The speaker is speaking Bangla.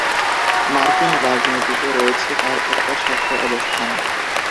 মার্কিন রাজনীতিতে রয়েছে তার একটা শক্ত অবস্থান।